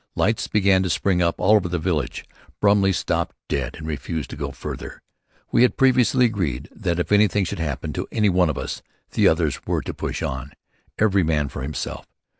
Lights began to spring up all over the village. Brumley stopped dead and refused to go farther. We had previously agreed that if anything should happen to any one of us the others were to push on, every man for himself.